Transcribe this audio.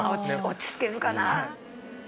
落ち着けるかな。